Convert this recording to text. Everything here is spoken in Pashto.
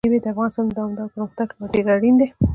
مېوې د افغانستان د دوامداره پرمختګ لپاره ډېر اړین دي.